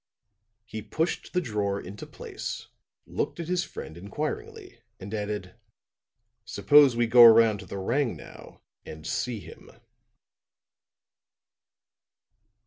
He pushed the drawer into place, looked at his friend inquiringly, and added: "Suppose we go around to the 'Rangnow' and see him?"